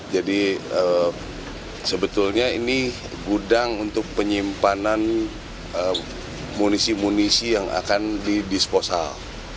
jadi sebetulnya ini gudang untuk penyimpanan amunisi amunisi yang akan di disposal